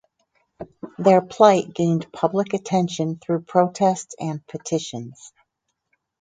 Their plight gained public attention through protests and petitions.